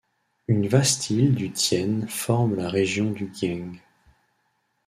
Une vaste île du Tiền forme la région du Giêng.